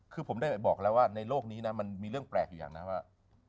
คือผมได้บอกแล้วว่าในโลกนี้นะมันมีเรื่องแปลกอยู่อย่างนะว่า